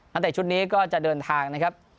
เตะชุดนี้ก็จะเดินทางนะครับ